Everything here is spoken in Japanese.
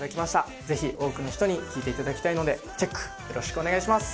ぜひ多くの人に聴いていただきたいのでチェックよろしくお願いします。